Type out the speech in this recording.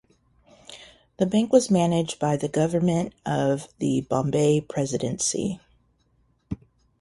The bank was managed by the government of the Bombay Presidency.